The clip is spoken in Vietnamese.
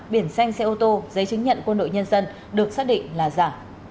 biển xanh xe ô tô giấy chứng nhận quân đội nhân dân được xác định là giả